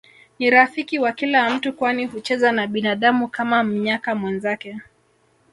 Ni rafiki wa kila mtu kwani hucheza na binadamu Kama mnyaka mwenzake